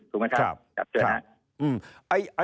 ถูกไหมครับจับเจอนะ